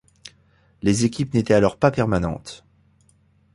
Les équipes n'étaient alors pas permanentes.